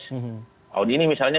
tahun ini misalnya